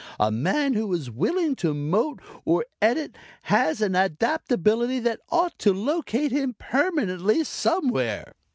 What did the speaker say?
A man who is willing to mote or Edit has an adaptability that ought to locate him permanently somewhere."